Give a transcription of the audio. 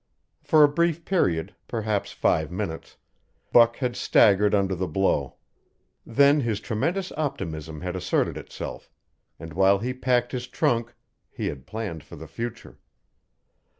For a brief period perhaps five minutes Buck had staggered under the blow; then his tremendous optimism had asserted itself, and while he packed his trunk, he had planned for the future.